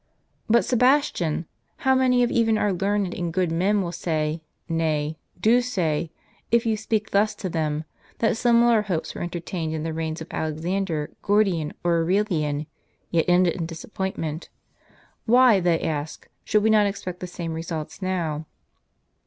"But, Sebastian, how many of even our learned and good men will say, nay, do say, if you speak thus to them, that similar hopes were entertained in the reigns of Alex ander, Gordian, or Aurelian; yet ended in disappointment. Why, they ask, should we not expect the same results now?"